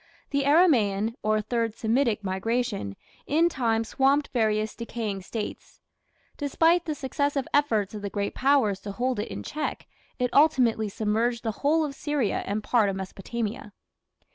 The Aramaean, or Third Semitic migration, in time swamped various decaying States. Despite the successive efforts of the great Powers to hold it in check, it ultimately submerged the whole of Syria and part of Mesopotamia.